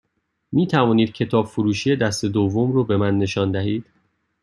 می توانید کتاب فروشی دست دوم رو به من نشان دهید؟